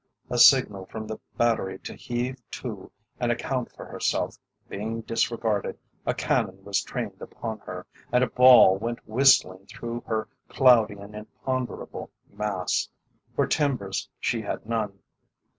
A signal from the Battery to heave to and account for herself being disregarded, a cannon was trained upon her, and a ball went whistling through her cloudy and imponderable mass, for timbers she had none.